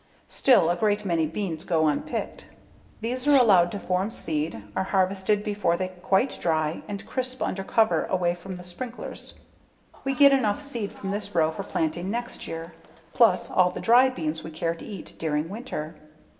Still, a great many beans go unpicked. These are allowed to form seed, are harvested before they quite dry, and crisp under cover away from the sprinklers. We get enough seed from this row for planting next year, plus all the dry beans we care to eat during winter.